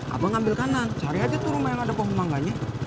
abang ngambil kanan cari aja tuh rumah yang ada pohon mangganya